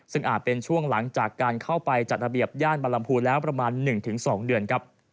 ซึ่งอาจเป็นช่วงหลังจากการเข้าไปจัดระเบียบย่านบรรลำพูแล้วประมาณ๑๒เดือนครับ